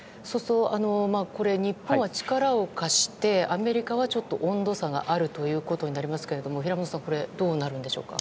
これ、日本は力を貸してアメリカは温度差があるということになりますが平本さんどうなるんでしょうか？